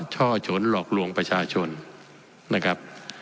ช่อฉนหลอกลวงประชาชนนะครับ